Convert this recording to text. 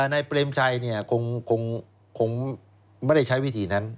นายเปรมชัยคงไม่ได้ใช้วิธีนั้น